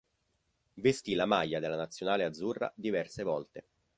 Vestì la maglia della Nazionale azzurra diverse volte.